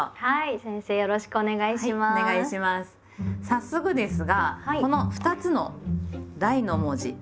早速ですがこの２つの「大」の文字